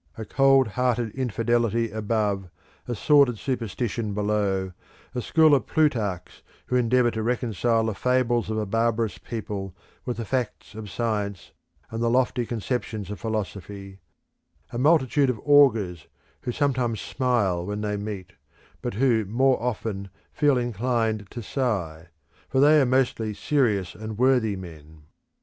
A cold hearted infidelity above, a sordid superstition below, a school of Plutarchs who endeavour to reconcile the fables of a barbarous people with the facts of science and the lofty conceptions of philosophy; a multitude of augurs who sometimes smile when they meet, but who more often feel inclined to sigh, for they are mostly serious and worthy men.